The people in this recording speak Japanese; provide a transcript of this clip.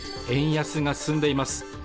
円安が進んでいます